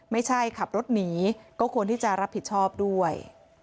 ไม่ใช่ขับรถหนีก็ควรที่จะรับผิดชอบด้วย